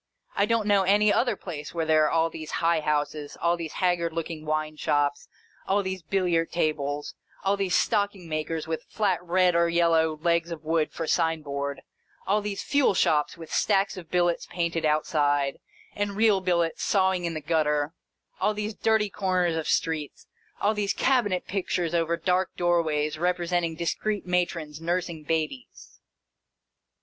I don't know any other place where there are all these high houses, all these haggard looking wine shops, all these billiard tables, all these stocking makers with flat red or yellow legs of wood for sign board, all these fuel shops with stacks of billets painted outside, and real billets sawing in the gutter, all these dirty corners of streets, all these cabinet pictures over dark doorways representing discreet matrons nursing babies.